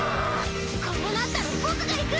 こうなったら僕が行く！